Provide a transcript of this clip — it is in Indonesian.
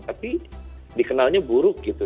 tapi dikenalnya buruk gitu